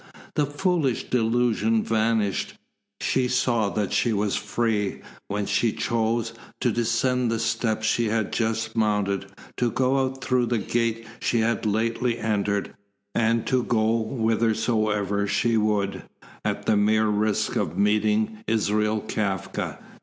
The foolish delusion vanished. She saw that she was free, when she chose, to descend the steps she had just mounted, to go out through the gate she had lately entered, and to go whithersoever she would, at the mere risk of meeting Israel Kafka.